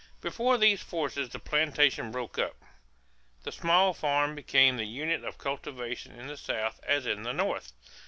Before these forces the plantation broke up. The small farm became the unit of cultivation in the South as in the North.